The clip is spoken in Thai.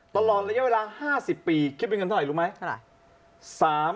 ตลอดระยะเวลา๕๐ปีคิดเป็นเงินเท่าไหร่รู้ไหมเท่าไหร่